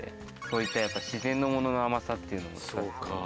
そういった自然のものの甘さっていうのが。